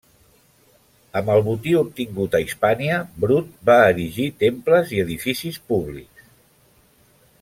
Amb el botí obtingut a Hispània, Brut va erigir temples i edificis públics.